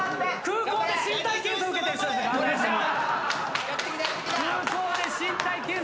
空港で身体検査受けてる人ですもう。